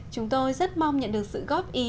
chúng tôi rất mong nhận được sự góp ý